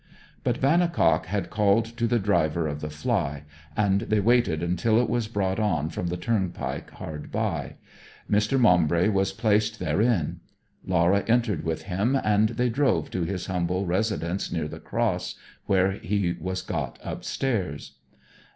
But Vannicock had called to the driver of the fly, and they waited until it was brought on from the turnpike hard by. Mr. Maumbry was placed therein. Laura entered with him, and they drove to his humble residence near the Cross, where he was got upstairs.